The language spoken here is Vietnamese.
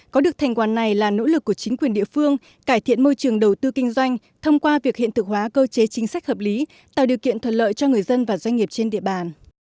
có được thành quả này là nỗ lực của chính quyền địa phương cải thiện môi trường đầu tư kinh doanh thông qua việc hiện thực hóa cơ chế chính sách hợp lý tạo điều kiện thuận lợi cho người dân và doanh nghiệp trên địa bàn